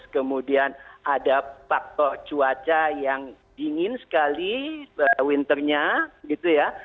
kemudian ada faktor cuaca yang dingin sekali winternya gitu ya